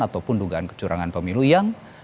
ataupun dugaan kecurangan pemilu yang